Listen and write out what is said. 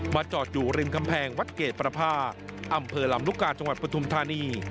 จอดอยู่ริมกำแพงวัดเกรดประพาอำเภอลำลูกกาจังหวัดปฐุมธานี